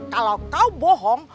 kalau kau bohong